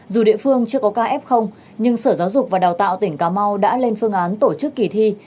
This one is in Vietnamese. dù địa phương chưa có caf nhưng sở giáo dục và đào tạo tỉnh cà mau đã lên phương án tổ chức kỳ thi